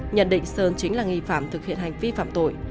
nhận định sơn chính là nghi phạm thực hiện hành vi phạm tội